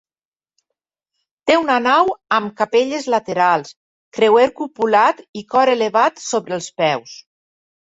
Té una nau amb capelles laterals, creuer cupulat i cor elevat sobre els peus.